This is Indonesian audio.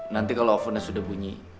nanti kalau ovennya sudah bunyi